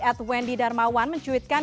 at wendy darmawan mencuitkan